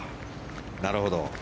なるほど。